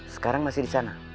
sekarang masih disana